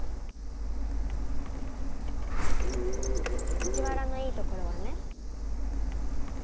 藤原のいいところはね。